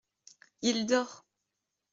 Il dort.